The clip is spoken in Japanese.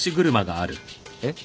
えっ。